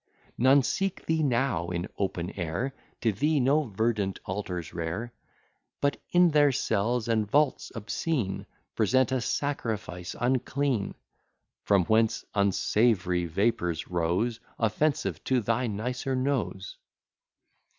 None seek thee now in open air, To thee no verdant altars rear; But, in their cells and vaults obscene, Present a sacrifice unclean; From whence unsavoury vapours rose, Offensive to thy nicer nose.